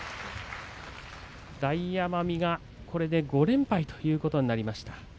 大奄美がこれで５連敗となりました。